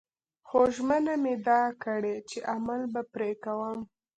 خو ژمنه مې ده کړې چې عمل به پرې کوم